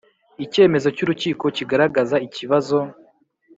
Icyemezo cy urukiko kigaragaza ikibazo